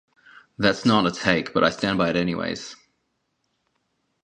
That’s not a take but I stand by it anyways.